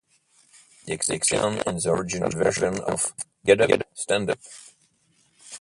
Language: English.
The exception is the original version of "Get Up, Stand Up".